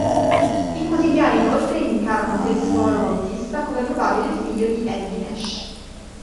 I quotidiani inoltre indicarono Telesforo Bautista come probabile figlio di Eddie Nash.